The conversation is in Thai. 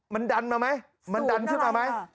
มันดันมาไหมมันดันขึ้นมาไหม